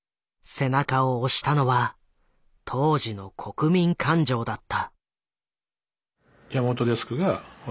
背中を押したのは当時の国民感情だった。